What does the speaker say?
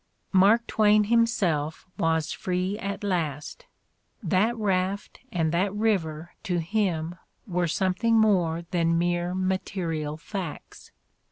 Mark Twain himself was free at last !— that raft and that river to him were some thing more than mere material facts.